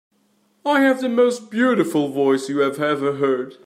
I have the most beautiful voice you have ever heard.